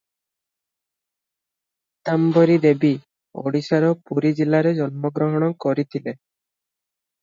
ପୀତାମ୍ବରୀ ଦେବୀ ଓଡ଼ିଶାର ପୁରୀ ଜିଲ୍ଲାରେ ଜନ୍ମଗ୍ରହଣ କରିଥିଲେ ।